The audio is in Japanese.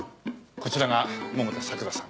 こちらが百田桜さん